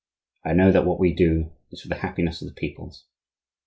I know that what we do is for the happiness of the peoples.